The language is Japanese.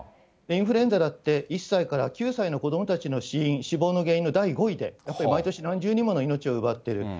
インフルエンザだって、１歳から９歳の子どもたちの死因、死亡の原因の第５位で、毎年何十人もの命を奪っている。